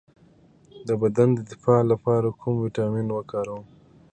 د بدن د دفاع لپاره کوم ویټامین وکاروم؟